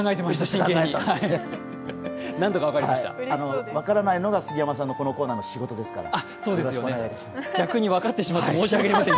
真剣に分からないのが杉山さんのこのコーナーの仕事ですから、お願いします。